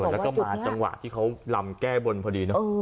แล้วก็มาจังหวะที่เขาลำแก้บนพอดีเนอะ